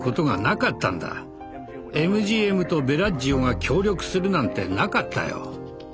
ＭＧＭとベラッジオが協力するなんてなかったよ。